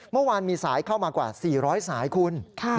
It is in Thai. เมื่อวานมีสายเข้ามากว่า๔๐๐สายคุณ